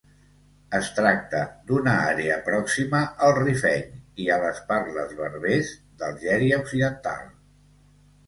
Es tracta d'una àrea pròxima al rifeny i a les parles berbers d'Algèria occidental.